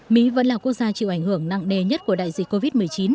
mỹ vẫn là quốc gia chịu ảnh hưởng nặng đề nhất của đại dịch covid một mươi chín